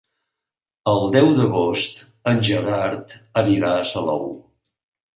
El deu d'agost en Gerard anirà a Salou.